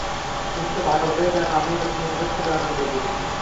তুমিতো ভাল করেই জান, আমি একজন নিরপেক্ষ জনদরদী।